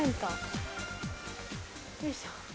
よいしょ。